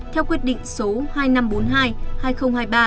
theo quyết định số hai nghìn năm trăm bốn mươi hai hai nghìn hai mươi ba